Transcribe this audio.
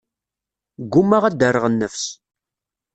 Ggumaɣ ad d-rreɣ nnefs.